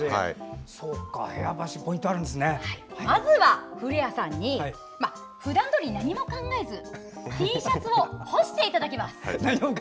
まずは古谷さんにふだんどおり何も考えずＴシャツを干していただきます。